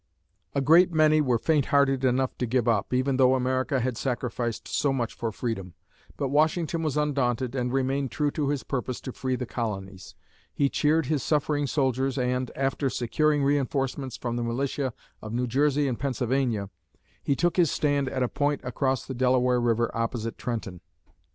A great many were faint hearted enough to give up, even though America had sacrificed so much for freedom. But Washington was undaunted and remained true to his purpose to free the colonies. He cheered his suffering soldiers and, after securing reënforcements from the militia of New Jersey and Pennsylvania, he took his stand at a point across the Delaware River opposite Trenton.